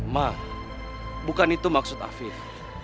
mah bukan itu maksud afif